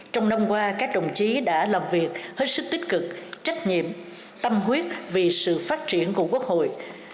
trong năm qua các đồng chí đã làm việc hết sức tích cực trách nhiệm tâm huyết vì sự phát triển của quốc hội